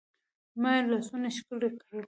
ما يې لاسونه ښکل کړل.